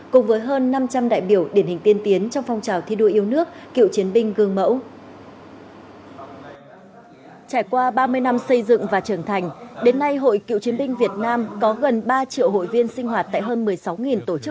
cùng với hơn năm trăm linh đại biểu